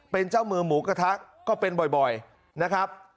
เป็นเจ้ามือหมูกระทะก็เป็นบ่อยนะครับ